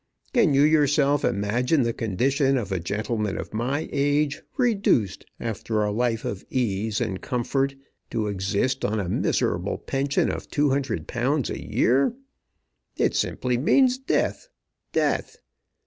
Can you yourself imagine the condition of a gentleman of my age reduced after a life of ease and comfort to exist on a miserable pension of £200 a year? It simply means death, death!